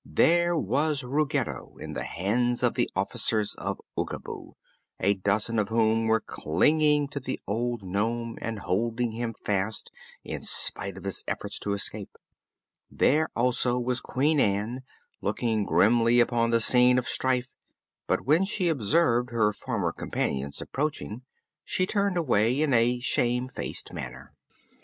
There was Ruggedo in the hands of the officers of Oogaboo, a dozen of whom were clinging to the old nome and holding him fast in spite of his efforts to escape. There also was Queen Ann, looking grimly upon the scene of strife; but when she observed her former companions approaching she turned away in a shamefaced manner.